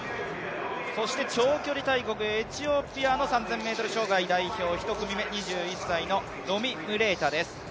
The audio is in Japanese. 長距離大国エチオピアの３０００ｍ障害代表、１組目、２１歳のロミ・ムレータです。